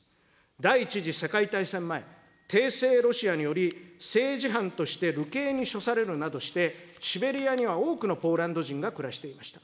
第１次世界大戦前、帝政ロシアにより、政治犯として流刑に処されるなどして、シベリアには多くのポーランド人が暮らしていました。